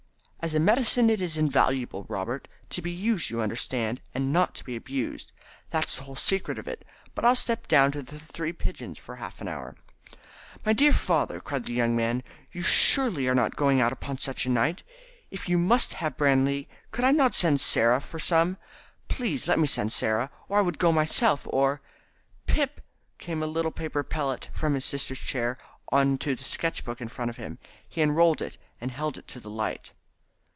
"As a medicine it is invaluable, Robert. To be used, you understand, and not to be abused. That's the whole secret of it. But I'll step down to the Three Pigeons for half an hour." "My dear father," cried the young man "you surely are not going out upon such a night. If you must have brandy could I not send Sarah for some? Please let me send Sarah; or I would go myself, or " Pip! came a little paper pellet from his sister's chair on to the sketch book in front of him! He unrolled it and held it to the light.